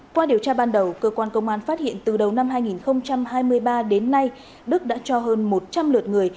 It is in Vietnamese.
qua điều tra ban đầu cơ quan công an phát hiện từ đầu năm hai nghìn hai mươi ba đến nay đức đã cho hơn một trăm linh lượt người